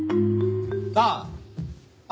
ああ